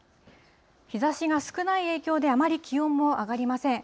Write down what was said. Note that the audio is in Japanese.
日ざしが少ない影響で、あまり気温も上がりません。